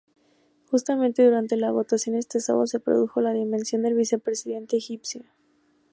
Justamente durante la votación este sábado se produjo la dimisión del vicepresidente egipcio.